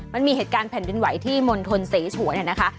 มันมีเหตุการณ์แผ่นดินไหวที่มณฑลเสฉวนนะคะ